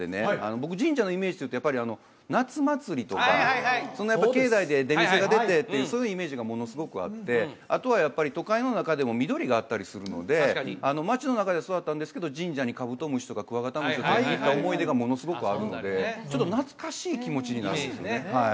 僕神社のイメージっていうとやっぱり夏祭りとかはいはいはいやっぱ境内で出店が出てっていうそういうイメージがものすごくあってあとはやっぱり都会の中でも緑があったりするので街の中で育ったんですけど神社にカブトムシとかクワガタムシを捕りに行った思い出がものすごくあるのでちょっと懐かしい気持ちになるんですよね